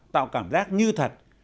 tạo cảm giác như thật